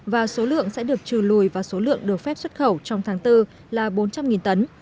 và số lượng sẽ được trừ lùi và số lượng được phép xuất khẩu trong tháng bốn là bốn trăm linh tấn